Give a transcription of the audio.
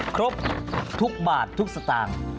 ครบทุกบาททุกสตางค์